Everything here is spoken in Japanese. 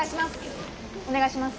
お願いします。